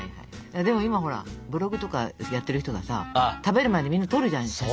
でも今ほらブログとかやってる人がさ食べる前にみんな撮るじゃない写真。